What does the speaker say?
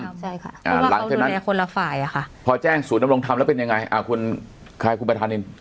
พอแจ้งสูตรแหน่มร่วมทำแล้วเป็นยังไง